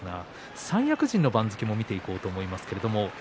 三役陣の番付を見ていこうと思います。